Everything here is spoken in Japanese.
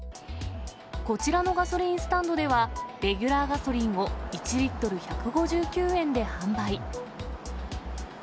こちらのガソリンスタンドでは、レギュラーガソリンを１リットル１５９円で販売。